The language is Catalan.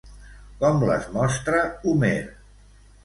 Com les mostra Homer?